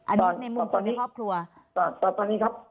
อันนี้ในมุมคนในครอบครัวตอนนี้ครับ